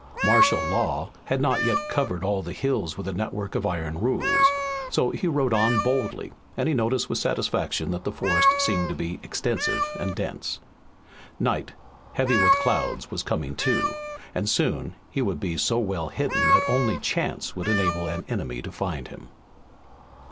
Martial law had not yet covered all the hills with a network of iron rules. So he rode on boldly, and he noticed with satisfaction that the forest seemed to be extensive and dense. Night, heavy with clouds, was coming, too, and soon he would be so well hidden that only chance would enable an enemy to find him.